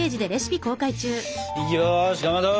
よしかまど